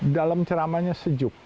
dalam ceramahnya sejuk